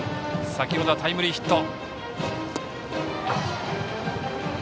先程はタイムリーヒット。